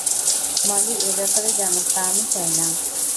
মলি এ ব্যাপারে জানুক, তা আমি চাই না।